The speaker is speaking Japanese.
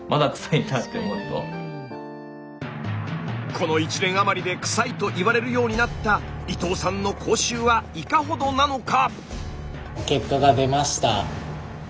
この１年余りでくさいと言われるようになった伊藤さんの口臭はいかほどなのか